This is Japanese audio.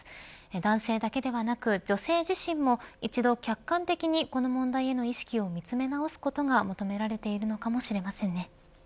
男性だけではなく女性自身も一度客観的にこの問題への意識を見つめ直すことが求められているのかもしれませんね。